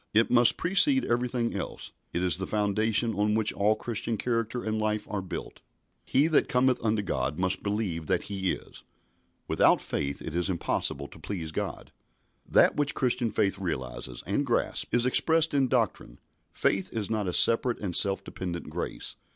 It must precede everything else. It is the foundation on which all Christian character and life are built. "He that cometh unto God must believe that he is." "Without faith it is impossible to please God." That which Christian faith realises and grasps is expressed in doctrine. Faith is not a separate and self dependent grace.